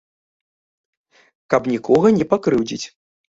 Каб нікога не пакрыўдзіць.